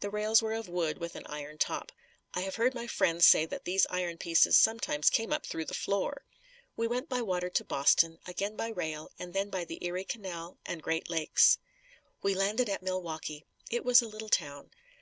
The rails were of wood, with an iron top. I have heard my friends say that these iron pieces sometimes came up through the floor. We went by water to Boston, again by rail and then by the Erie Canal and Great Lakes. We landed at Milwaukee. It was a little town.